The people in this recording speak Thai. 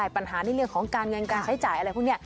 ปัญหานี่เรื่องของการเงินการใช้จ่าย